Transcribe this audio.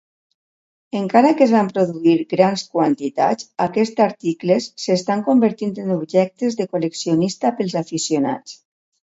Encara que es van produir grans quantitats, aquests articles s'estan convertint en objectes de col·leccionista pels aficionats.